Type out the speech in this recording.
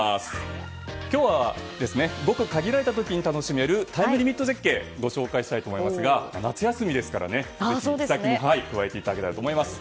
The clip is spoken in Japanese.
今日はごく限られた時に楽しめるタイムリミット絶景をご紹介したいと思いますが夏休みですからぜひ行き先に加えていただけたらと思います。